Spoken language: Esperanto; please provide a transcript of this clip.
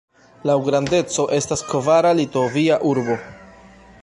Laŭ grandeco estas kvara Litovia urbo.